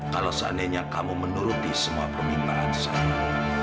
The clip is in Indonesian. kalau seandainya kamu menuruti semua permintaan saya